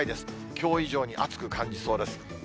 きょう以上に暑く感じそうです。